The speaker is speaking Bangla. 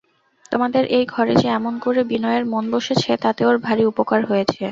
তোমাদের এই ঘরে যে এমন করে বিনয়ের মন বসেছে তাতে ওর ভারি উপকার হয়েছে।